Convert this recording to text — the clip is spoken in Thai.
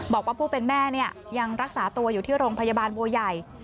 บอกว่าผู้เป็นแม่ยังรักษาตัวอยู่ที่โรงพยาบาลบัวใหญ่